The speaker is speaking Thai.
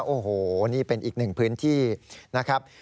โอ้โหนี่เป็นอีกหนึ่งพื้นที่นะครับ